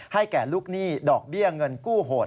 แก่ลูกหนี้ดอกเบี้ยเงินกู้โหด